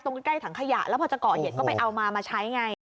ใกล้ถังขยะแล้วพอจะก่อเหตุก็ไปเอามามาใช้ไง